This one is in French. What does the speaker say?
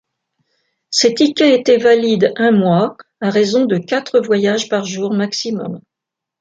Ces tickets étaient valides un mois à raison de quatre voyages par jour maximum.